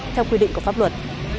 theo quy định của pháp luật